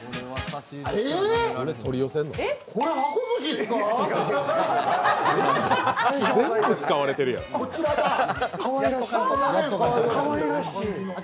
こちらだ！